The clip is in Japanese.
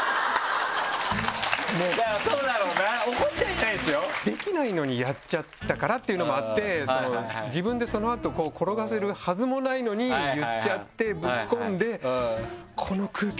そうだろうな怒ってはいないんですよ。できないのにやっちゃったからっていうのもあって自分でその後転がせるはずもないのに言っちゃってぶっ込んで。